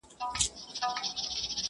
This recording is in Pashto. پلار او مور یې په قاضي باندي نازېږي..